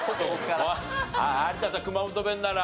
はい有田さん熊本弁なら。